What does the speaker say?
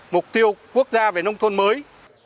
mục tiêu quốc gia về nông thôn mới